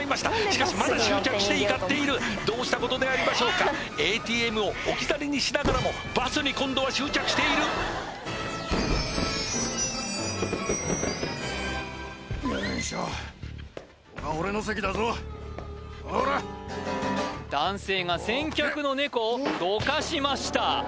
しかしまだ執着して怒っているどうしたことでありましょうかＡＴＭを置き去りにしながらもバスに今度は執着しているよいしょほら男性が先客の猫をどかしました